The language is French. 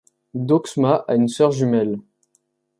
Deauxma a une sœur jumelle.